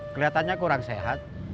keliatannya kurang sehat